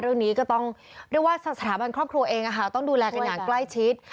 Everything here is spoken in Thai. เรื่องนี้ก็ต้องเรียกว่าสถาบันครอบครัวเองต้องดูแลกันอย่างใกล้ชิด